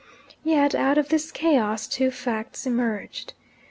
Yet out of this chaos two facts emerged.